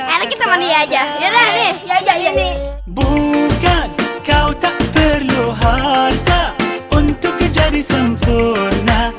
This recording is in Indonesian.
enak kita mandi aja ya deh ya ya ya nih bukan kau tak perlu harta untuk kejadi sempurna